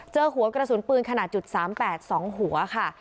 เจอหัวกระสุนปืนขนาด๓๘๒หัวค่ะ